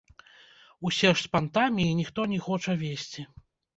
Усе ж з пантамі, і ніхто не хоча весці.